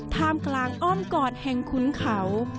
ท่ามกลางอ้อนกอดแห่งขุนเขา